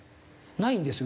ないんですよ。